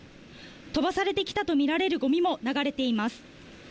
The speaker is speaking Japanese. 飛ばされてきたと見られるごみも流れています。